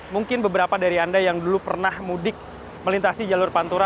mungkin beberapa dari anda yang dulu pernah mudik melintasi jalur pantura